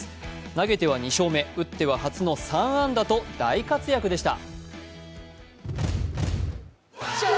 投げては２勝目、打っては初の３安打と大活躍でした。